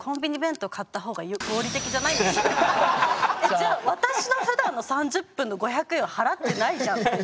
じゃあ私のふだんの３０分の５００円は払ってないじゃんっていう。